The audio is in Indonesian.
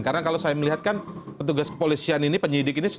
karena kalau saya melihat kan petugas kepolisian ini penyidik ini